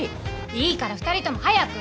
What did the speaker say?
いいから２人とも早く。